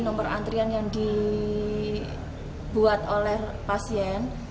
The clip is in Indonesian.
nomor antrian yang dibuat oleh pasien